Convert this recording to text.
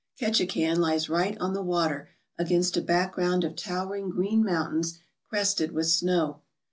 Ketchikan lies right on the water against a background of towering green mountains crested with snow.